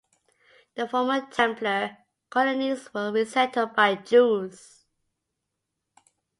The former Templer colonies were re-settled by Jews.